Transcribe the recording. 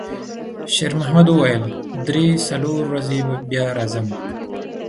شېرمحمد وویل: «درې، څلور ورځې بیا راځم.»